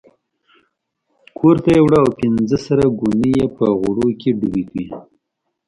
کورته یې وړه او پنځه سره ګوني یې په غوړو کې ډوبې وې.